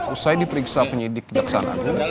usai diperiksa penyidik kejaksaan